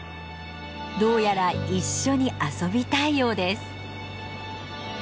どうやら一緒に遊びたいようです。